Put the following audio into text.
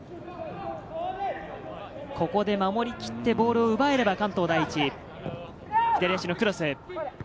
ここで守りきってボールを奪えれば関東第一、左足のクロス。